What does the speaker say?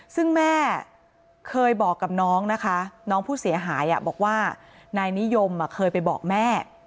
ซึ่งแม่เคยบอกกับน้องนะคะน้องผู้เสียหายบอกว่านายนิยมเคยไปบอกแม่